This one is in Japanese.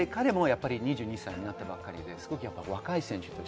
彼も２２歳になったばかりで若い選手です。